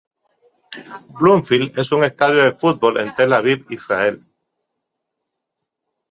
Bloomfield es un estadio de fútbol de Tel Aviv, Israel.